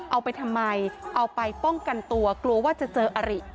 เอาไปทำไมเอาไปป้องกันตัวกลัวกลัวว่าจะเจออริ